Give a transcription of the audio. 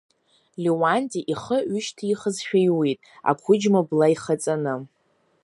Леуанти ихы ҩышьҭихызшәа иуит, ақәыџьма бла ихаҵаны.